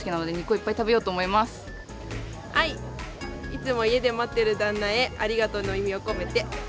いつも家で待ってる旦那へ「ありがとう」の意味を込めて。